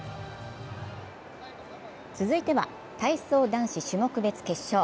続いては体操男子種目別決勝。